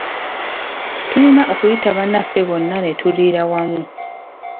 Tulina okuyita bannaffe bonna ne tuliira wamu.